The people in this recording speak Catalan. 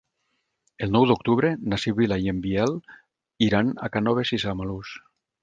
El nou d'octubre na Sibil·la i en Biel iran a Cànoves i Samalús.